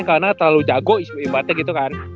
karena terlalu jago ibaratnya gitu kan